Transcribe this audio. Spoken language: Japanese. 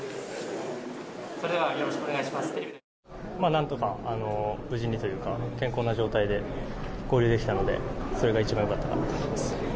何とか無事にというか健康な状態で合流できたのでそれが一番良かったなと思います。